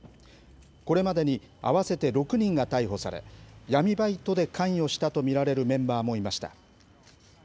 これまでに合わせて６人が逮捕され、闇バイトで関与したと見られるメンバーもいました。